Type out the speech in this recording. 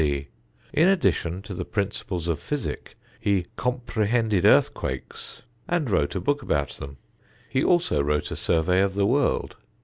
D. In addition to the principles of physic he "comprehended earthquakes" and wrote a book about them. He also wrote a survey of the world.